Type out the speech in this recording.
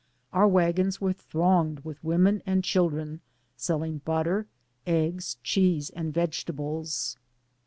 Our wagons were thronged with women and children selling butter, eggs, cheese and vegetables.